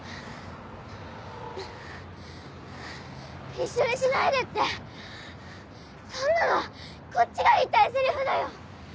一緒にしないでってそんなのこっちが言いたいセリフだよ！